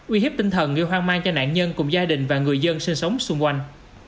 uy hiếp tinh thần gây hoang mang cho nạn nhân cùng gia đình và người dân sinh sống xung quanh